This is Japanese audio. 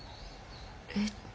えっ。